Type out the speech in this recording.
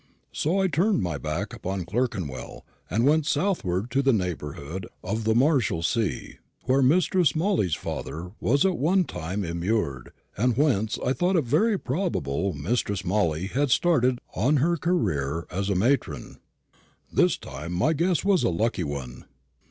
So I turned my back upon Clerkenwell, and went southward to the neighbourhood of the Marshalsea, where Mistress Molly's father was at one time immured, and whence I thought it very probable Mistress Molly had started on her career as a matron. This time my guess was a lucky one.